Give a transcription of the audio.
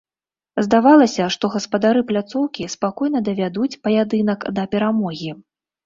Здавалася, што гаспадары пляцоўкі спакойна давядуць паядынак да перамогі.